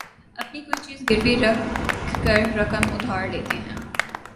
اپنی کوئی چیز گروی رکھ کر رقم ادھار لیتے ہیں